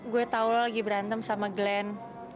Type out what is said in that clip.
gue tau lo lagi berantem sama glenn